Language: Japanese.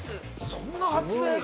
そんな発明が！